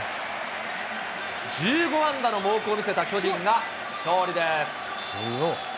１５安打の猛攻を見せた巨人が勝利です。